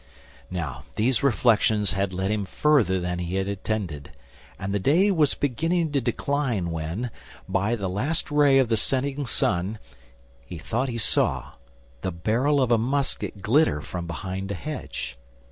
Now, these reflections had led him further than he intended, and the day was beginning to decline when, by the last ray of the setting sun, he thought he saw the barrel of a musket glitter from behind a hedge.